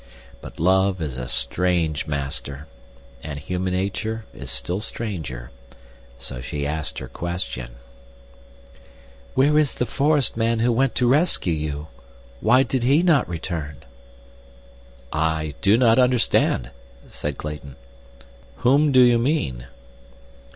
But love is a strange master, and human nature is still stranger, so she asked her question. "Where is the forest man who went to rescue you? Why did he not return?" "I do not understand," said Clayton. "Whom do you mean?"